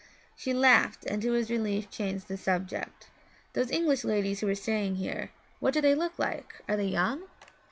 She laughed and to his relief changed the subject. 'Those English ladies who are staying here what do they look like? Are they young?'